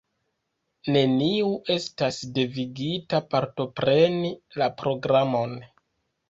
Neniu estas devigita partopreni la programon.